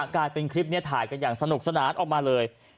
กลายเป็นคลิปนี้ถ่ายกันอย่างสนุกสนานออกมาเลย